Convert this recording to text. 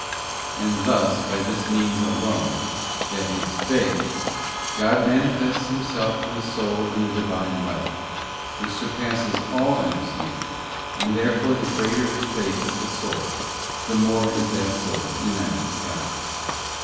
And thus by this means alone, that is faith, God manifests Himself to the soul in the Divine light, which surpasses all understanding, and therefore the greater the faith of the soul the more is that soul united to God.